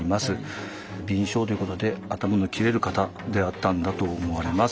敏捷ということで頭の切れる方であったんだと思われます。